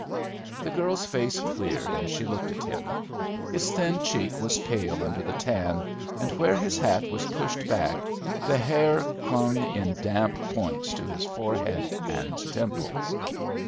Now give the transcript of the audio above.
The girl's face cleared, as she looked at him. His thin cheek was pale under the tan, and where his hat was pushed back the hair clung in damp points to his forehead and temples.